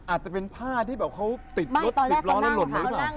อาจจะเป็นผ้าที่แบบเขาติดรถสิบล้อแล้วหล่นมาหรือเปล่า